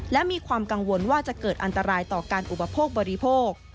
และมีความกังวลว่าจะเกิดอันตรายต่อการอุปโภคบริโภค